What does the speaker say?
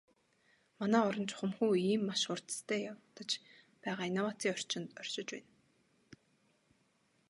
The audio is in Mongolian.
Манай орон чухамхүү ийм маш хурдацтай явагдаж байгаа инновацийн орчинд оршиж байна.